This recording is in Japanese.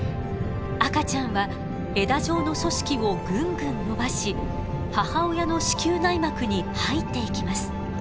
赤ちゃんは枝状の組織をぐんぐん伸ばし母親の子宮内膜に入っていきます。